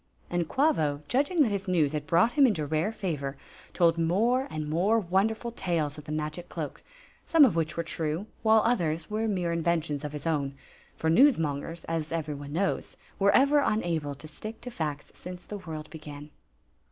And Quavo, judging that his news had brought him into rare favor, told more and more wonderful 144 Queen Zixi of Ix ; or, the tales of the m^c cloak, some of which were true, while others were mere inventions of his own ; for newsmongers* as every one knows, were ever unable to stick to facts since the world began.